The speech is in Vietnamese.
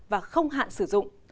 và không hạn sử dụng